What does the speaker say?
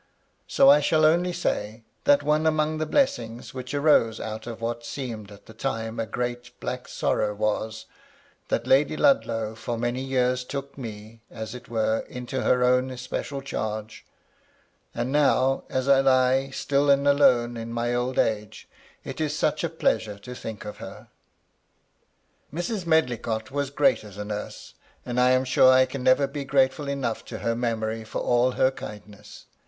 So I shall only say, that one among the blessing which arose out of what seemed at the time a great, black sorrow was^ that Lady Ludlow for many years took me, as it were, into her own especial charge ; and now, as I lie still and alone in my old age, it is such a pleasure to think of her ! Mrs. Medlicott was great as a nurse, and I am sure I can never be grateful enough to her memory for all her kindness.